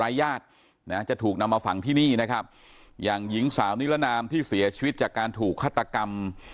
ญาตินะจะถูกนำมาฝังที่นี่นะครับอย่างหญิงสาวนิรนามที่เสียชีวิตจากการถูกฆาตกรรม